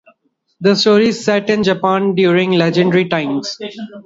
The story is set in Japan during legendary times.